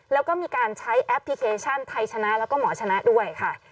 แล้วก็มีการใช้แอปพลิเคชันไทยชนะแล้วก็หมอชนะด้วยค่ะ